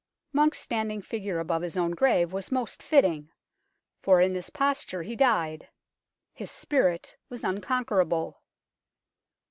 Monck's standing figure above his own grave was most fitting, for in this posture he died. His spirit was unconquerable.